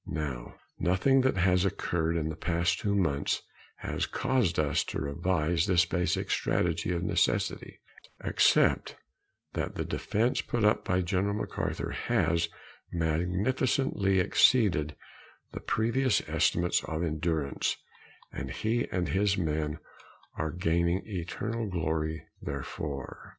Now nothing that has occurred in the past two months has caused us to revise this basic strategy of necessity except that the defense put up by General MacArthur has magnificently exceeded the previous estimates of endurance, and he and his men are gaining eternal glory therefore.